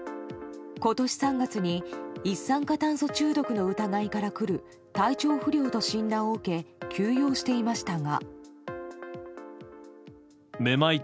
今年３月に一酸化炭素中毒の疑いからくる体調不良と診断を受け休養していましたが。